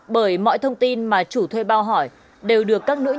bởi mọi thông tin mà chủ thuê bao hỏi đều được các nhân viên đưa ra